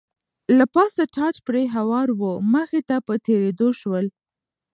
له پاسه ټاټ پرې هوار و، مخې ته په تېرېدو شول.